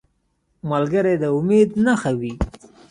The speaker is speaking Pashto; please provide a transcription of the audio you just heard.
ملګری د امید نښه وي